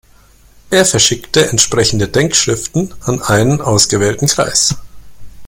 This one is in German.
Er verschickte entsprechende Denkschriften an einen ausgewählten Kreis.